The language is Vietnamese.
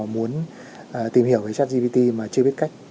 muốn tìm hiểu về chất gpt mà chưa biết cách